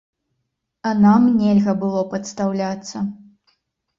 А нам нельга было падстаўляцца.